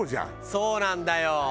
そうなんだよ。